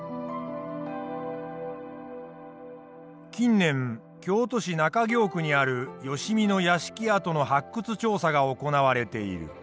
近年京都市中京区にある良相の屋敷跡の発掘調査が行われている。